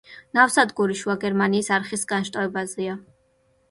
ნავსადგური შუა გერმანიის არხის განშტოებაზე.